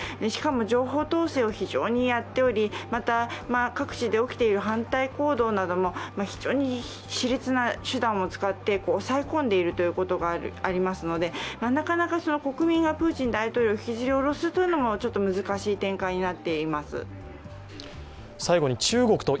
しかも、情報統制を非常にやっており、各地で起きている反対行動なども非常に、し烈な手段を使って抑え込んでいるということがありますので、なかなか国民がプーチン大統領を引きずりおろすのも難しい展開に